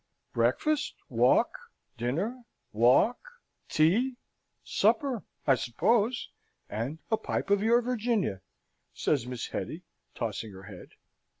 "Breakfast, walk dinner, walk tea, supper, I suppose; and a pipe of your Virginia," says Miss Hetty, tossing her head.